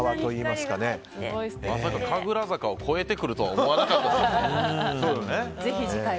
まさか神楽坂を超えてくるとは思わなかったですよね。